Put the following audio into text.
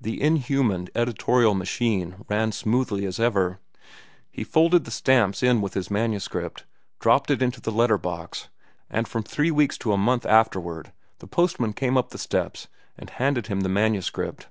The inhuman editorial machine ran smoothly as ever. He folded the stamps in with his manuscript, dropped it into the letter box, and from three weeks to a month afterward the postman came up the steps and handed him the manuscript.